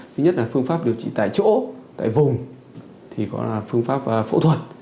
thứ nhất là phương pháp điều trị tại chỗ tại vùng thì có là phương pháp phẫu thuật